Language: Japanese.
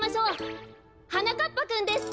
はなかっぱくんです！